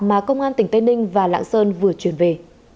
mà công an tỉnh tây ninh và lạng sơn vừa chuyển về